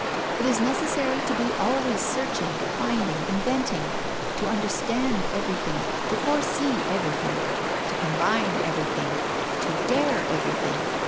It is necessary to be always searching, finding, inventing, to understand everything, to foresee everything, to combine everything, to dare everything.